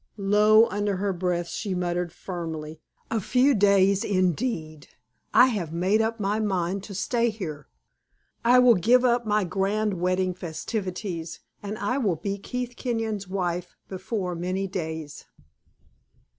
Low under her breath, she muttered firmly: "A few days, indeed! I have made up my mind to stay here. I will give up my grand wedding festivities, and I will be Keith Kenyon's wife before many days."